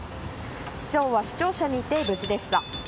市長は市庁舎にいて無事でした。